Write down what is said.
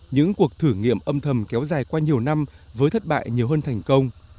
những cuộc thử nghiệm âm thầm kéo dài qua nhiều năm với thất bại nhiều hơn thành công